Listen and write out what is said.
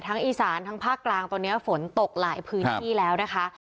อีสานทั้งภาคกลางตอนนี้ฝนตกหลายพื้นที่แล้วนะคะ